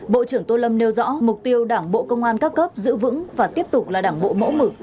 bộ trưởng tô lâm nêu rõ mục tiêu đảng bộ công an các cấp giữ vững và tiếp tục là đảng bộ mẫu mực